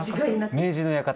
明治の館。